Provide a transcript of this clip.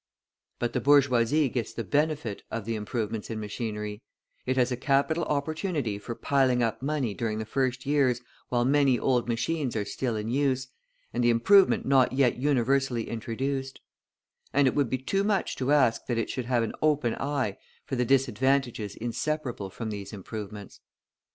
But the bourgeoisie gets the benefit of the improvements in machinery; it has a capital opportunity for piling up money during the first years while many old machines are still in use, and the improvement not yet universally introduced; and it would be too much to ask that it should have an open eye for the disadvantages inseparable from these improvements.